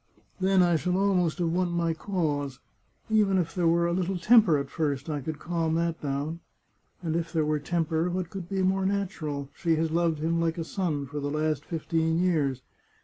" Then I shall almost have won my cause. Even if there were a little temper at first, I could calm that down. ... And if there were tem per, what could be more natural? ... She has loved him like a son for the last fifteen years.